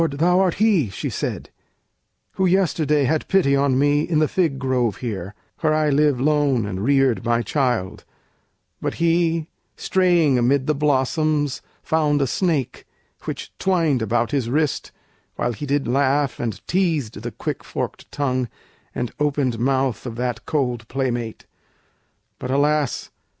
thou art he," she said, "who yesterday Had pity on me in the fig grove here, Where I live lone and reared my child; but he, Straying amid the blossoms, found a snake, Which twined about his wrist, while he did laugh And teased the quick forked tongue and opened mouth Of that cold playmate. But alas!